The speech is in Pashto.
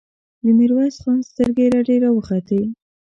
د ميرويس خان سترګې رډې راوختې!